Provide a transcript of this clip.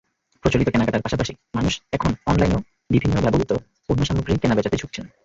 প্রচলিত কেনা-কাটার পাশাপাশি মানুষ এখন অনলাইনেও বিভিন্ন ব্যবহূত পণ্য সামগ্রী কেনা-বেচাতে ঝুঁকছেন।